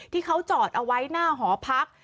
ที่เขาจอดเอาไว้หน้าหอพัก